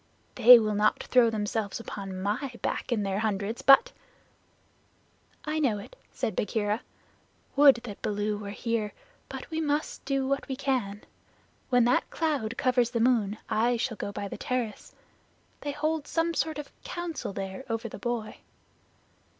They will not throw themselves upon my back in their hundreds, but " "I know it," said Bagheera. "Would that Baloo were here, but we must do what we can. When that cloud covers the moon I shall go to the terrace. They hold some sort of council there over the boy."